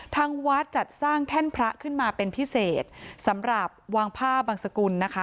ทางวัดจัดสร้างแท่นพระขึ้นมาเป็นพิเศษสำหรับวางผ้าบังสกุลนะคะ